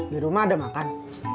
di rumah ada makan